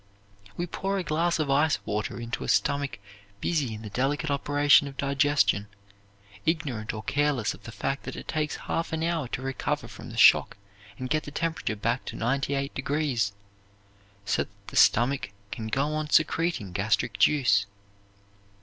We pour a glass of ice water into a stomach busy in the delicate operation of digestion, ignorant or careless of the fact that it takes half an hour to recover from the shock and get the temperature back to ninety eight degrees, so that the stomach can go on secreting gastric juice.